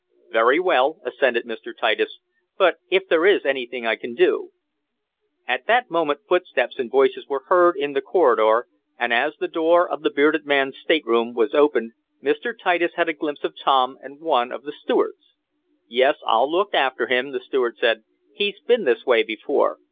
"Very well," assented Mr. Titus. "But if there is anything I can do " At that moment footsteps and voices were heard in the corridor, and as the door of the bearded man's stateroom was opened, Mr. Titus had a glimpse of Tom and one of the stewards. "Yes, I'll look after him," the steward said "He's been this way before.